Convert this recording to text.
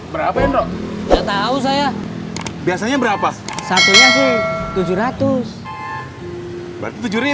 berapa enggak tahu saya biasanya berapa satu tujuh tujuh iya ini makasih ya iya